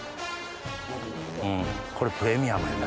うんこれプレミアムやな。